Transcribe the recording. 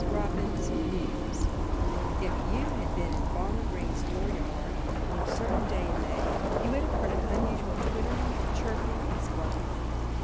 ROBIN'S NEWS* If you had been in Farmer Green's door yard on a certain day in May you would have heard an unusual twittering and chirping and squawking.